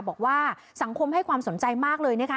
บอกว่าสังคมให้ความสนใจมากเลยนะคะ